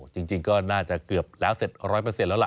จริงก็น่าจะเกือบแล้วเสร็จร้อยเปอร์เซ็นต์แล้วล่ะ